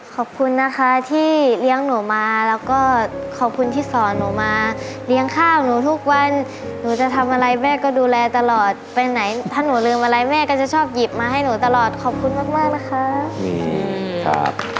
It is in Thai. ขอบคุณนะคะที่เลี้ยงหนูมาแล้วก็ขอบคุณที่สอนหนูมาเลี้ยงข้าวหนูทุกวันหนูจะทำอะไรแม่ก็ดูแลตลอดไปไหนถ้าหนูลืมอะไรแม่ก็จะชอบหยิบมาให้หนูตลอดขอบคุณมากมากนะครับ